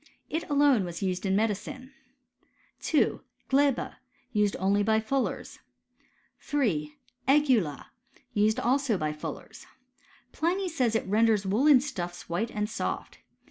It alone was used in medicine. 2. Gleba — used only by fullers. 3. Egula — ^used also by fullers. Pliny says, it renders woollen stuffs white and soft.